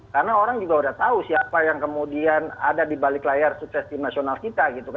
karena orang juga sudah tahu siapa yang kemudian ada di balik layar sukses tim nasional kita